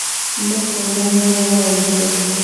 مخ په وړاندې روان وو.